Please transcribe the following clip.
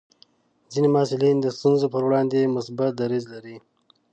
ځینې محصلین د ستونزو پر وړاندې مثبت دریځ لري.